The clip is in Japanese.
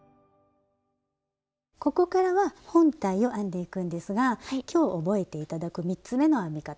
ここからは本体を編んでいくんですが今日覚えて頂く３つ目の編み方。